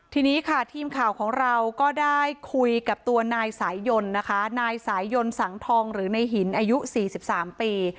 ทีนี้ค่ะทีมข่าวของเราก็ได้คุยกับตัวนายสายยนต์นะคะนายสายยนต์สังทองหรือในหินอายุ๔๓ปี